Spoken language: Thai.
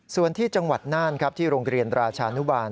ส่วนที่จังหวัดน่านครับที่โรงเรียนราชานุบาล